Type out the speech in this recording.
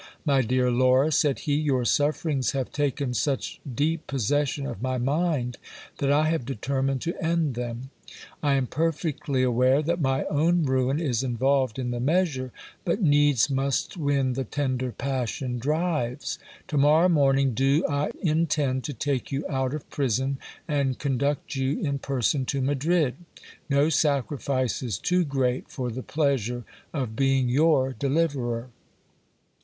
My dear Laura, said he, your sufferings have taken such deep possession of my mind, that I have determined to end them. I am perfectly aware that my own ruin is involved in the measure, but needs must when the tender passion drives. To morrow morning do I intend to take you out of prison, and conduct you in person to Madrid. No sacrifice is too great for the pleasure of being your deliverer.